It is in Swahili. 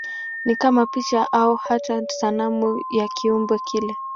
Ni kama picha au hata sanamu ya kiumbe kile.